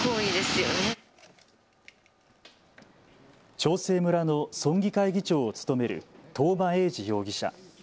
長生村の村議会議長を務める東間永次容疑者。